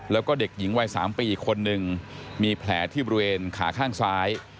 แล้วก็เด็กหญิงวัย๓ปีคนหนึ่งมีแผลที่บริเวณขาข้างซ้าย